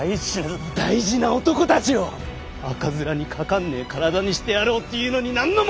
その大事な男たちを赤面にかかんねえ体にしてやろうっていうのに何の文句があんだよ！